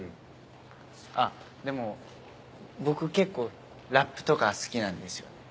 あっでも僕結構ラップとか好きなんですよね。